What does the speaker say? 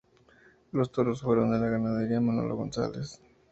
Los toros fueron de la ganadería Manolo González.